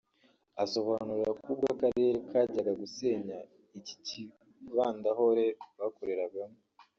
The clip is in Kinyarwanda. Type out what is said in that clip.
Asobanura ko ubwo Akarere kajyaga gusenya iki kibandahore bakoreragamo